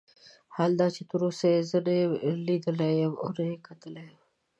حال دا چې تر اوسه یې زه نه لیدلی یم او نه یې کتلی.